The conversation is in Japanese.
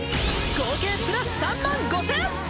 合計プラス３５０００！